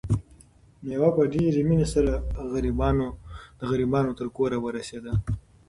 مېوه په ډېرې مینې سره د غریبانو تر کوره ورسېده.